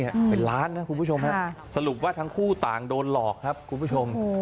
เป็นล้านนะคุณผู้ชมฮะสรุปว่าทั้งคู่ต่างโดนหลอกครับคุณผู้ชม